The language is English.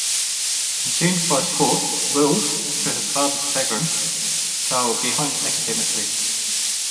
Consumed by sport, Wills, to his father's chagrin, fell behind academically.